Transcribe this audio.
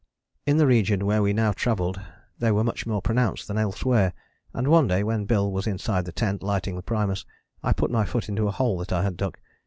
In the region where we now travelled they were much more pronounced than elsewhere, and one day, when Bill was inside the tent lighting the primus, I put my foot into a hole that I had dug.